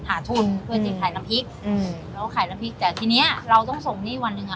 หาทุนเพื่อจะขายน้ำพริกอืมเราก็ขายน้ำพริกแต่ทีเนี้ยเราต้องส่งหนี้วันหนึ่งอ่ะ